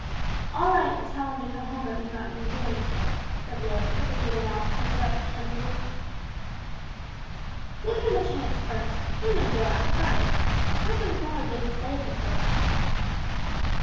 "I'll write and tell him to come home if he's not going to do anything," said Roy, with his little mouth pursed up determinedly. "We'll give him a chance, first. He may go out to fight. Captain Smalley didn't say for certain."